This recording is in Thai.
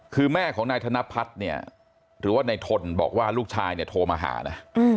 คือแม่ของนายธนพัฒน์เนี่ยหรือว่าในทนบอกว่าลูกชายเนี่ยโทรมาหานะ